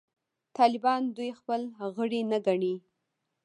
طالبان دوی خپل غړي نه ګڼي.